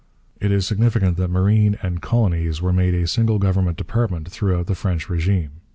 It is significant that 'marine' and 'colonies' were made a single government department throughout the French régime.